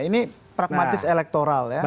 ini pragmatis elektoral ya